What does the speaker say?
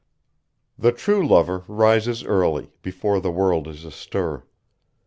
The true lover rises early, before the world is astir.